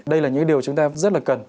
đây là những điều chúng ta rất là cần